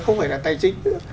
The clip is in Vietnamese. không phải là tài chính